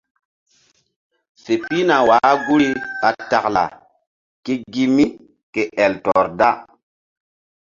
Fe pihna wah guri ɓa taklaa ke gi mí ke el tɔr da.